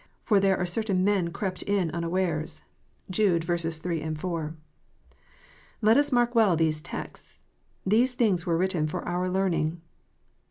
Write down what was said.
For there are certain men crept in unawares." (Jude 3, 4.) Let us mark well these texts. These things were written for our learning.